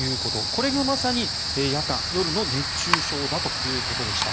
これがまさに夜間、夜の熱中症だということでした。